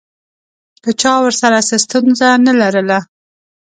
که چا ورسره څه ستونزه نه لرله.